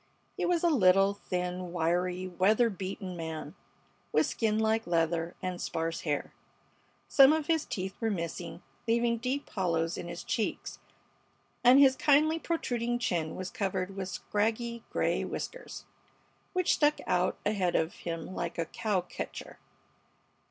He was a little, thin, wiry, weather beaten man, with skin like leather and sparse hair. Some of his teeth were missing, leaving deep hollows in his cheeks, and his kindly protruding chin was covered with scraggy gray whiskers, which stuck out ahead of him like a cow catcher.